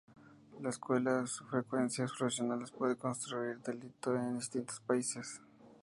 La escucha de frecuencias profesionales puede constituir delito en distintos países.